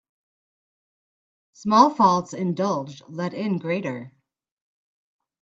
Small faults indulged let in greater.